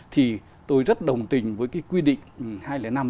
thì tôi rất đồng tình với cái quy định hai trăm linh năm